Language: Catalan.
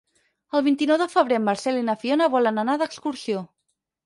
El vint-i-nou de febrer en Marcel i na Fiona volen anar d'excursió.